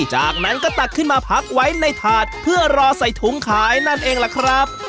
จากนั้นก็ตักขึ้นมาพักไว้ในถาดเพื่อรอใส่ถุงขายนั่นเองล่ะครับ